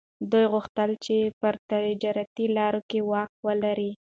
دوی غوښتل چي پر تجارتي لارو واک ولري.